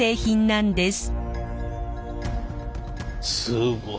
すごい。